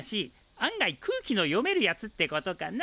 案外空気の読めるやつってことかな。